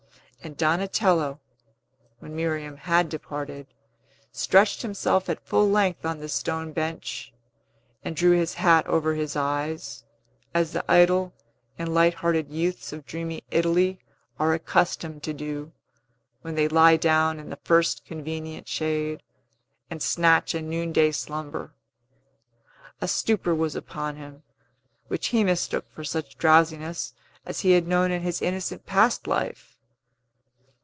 And Donatello, when Miriam had departed, stretched himself at full length on the stone bench, and drew his hat over his eyes, as the idle and light hearted youths of dreamy Italy are accustomed to do, when they lie down in the first convenient shade, and snatch a noonday slumber. A stupor was upon him, which he mistook for such drowsiness as he had known in his innocent past life.